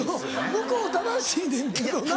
向こう正しいねんけどな。